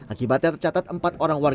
akibatnya tercatat empat orang warga